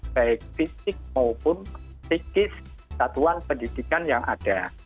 baik fisik maupun psikis satuan pendidikan yang ada